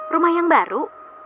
rumah yang baru